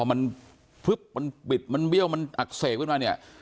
พอมันพุ๊บมันผิดมันเบี้ยวอักเสบขึ้นมานี่